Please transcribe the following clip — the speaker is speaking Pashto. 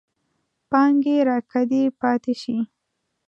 پانګې راکدې پاتې شي.